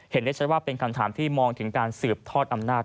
ได้ใช้ว่าเป็นคำถามที่มองถึงการสืบทอดอำนาจ